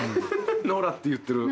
「ノラ」って言ってる。